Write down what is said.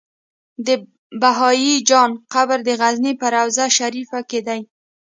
د بهايي جان قبر د غزنی په روضه شريفه کی دی